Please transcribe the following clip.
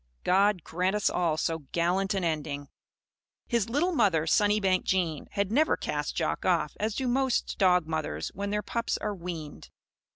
God grant us all so gallant an ending! His little mother, Sunnybank Jean, had never cast Jock off, as do most dog mothers when their pups are weaned.